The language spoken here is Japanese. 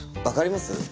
わかります？